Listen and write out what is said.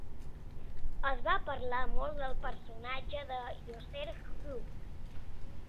Es va parlar molt del personatge de Yosser Hughes.